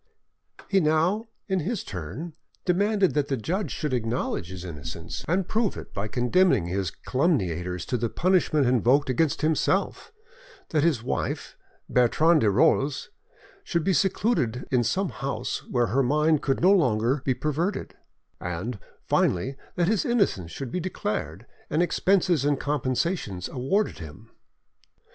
He now, in his turn, demanded that the judge should acknowledge his innocence, and prove it by condemning his calumniators to the punishment invoked against himself; that his wife, Bertrande de Rolls, should be secluded in some house where her mind could no longer be perverted, and, finally, that his innocence should be declared, and expenses and compensations awarded him.